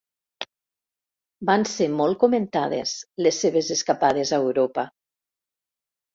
Van ser molt comentades, les seves escapades a Europa.